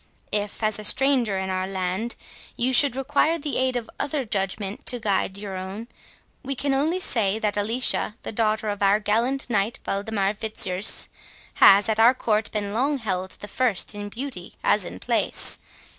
If, as a stranger in our land, you should require the aid of other judgment to guide your own, we can only say that Alicia, the daughter of our gallant knight Waldemar Fitzurse, has at our court been long held the first in beauty as in place.